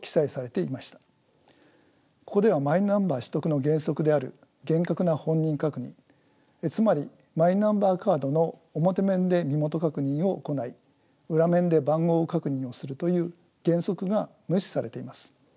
ここではマイナンバー取得の原則である厳格な本人確認つまりマイナンバーカードの表面で身元確認を行い裏面で番号確認をするという原則が無視されています。